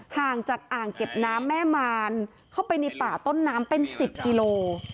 ห่างจากอ่างเก็บน้ำแม่มารเข้าไปในป่าต้นน้ำเป็น๑๐กิโล